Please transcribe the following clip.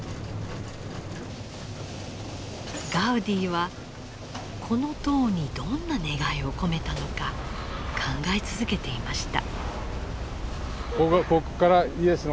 ガウディはこの塔にどんな願いを込めたのか考え続けていました。